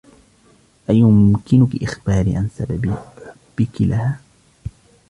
أيمكنك إخباري عن سبب حبك لها ؟